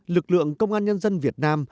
lực lượng công an nhân dân việt nam